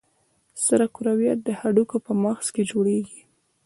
سره کرویات د هډوکو په مغز کې جوړېږي.